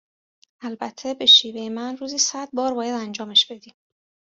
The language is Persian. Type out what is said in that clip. البته به شیوهی من روزی صد بار باید انجامش بدی